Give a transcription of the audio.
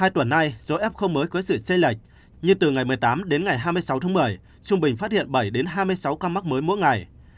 hai tuần nay dối f mới có sự xây lệch như từ ngày một mươi tám đến ngày hai mươi sáu tháng một mươi trung bình phát hiện bảy đến hai mươi sáu ca mắc mới mỗi ngày